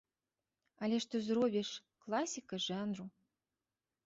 Але што зробіш, класіка жанру.